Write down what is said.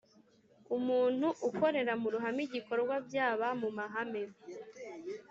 Umuntu ukorera mu ruhame igikorwa byaba mumahame